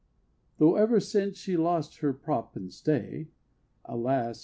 Though ever since she lost "her prop And stay" alas!